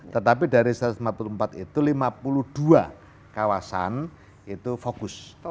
tetapi dari satu ratus empat puluh empat itu lima puluh dua kawasan itu fokus